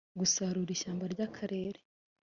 gusarura ishyamba ry akarere